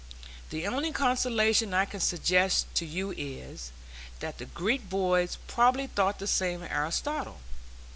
The only consolation I can suggest to you is, that the Greek boys probably thought the same of Aristotle.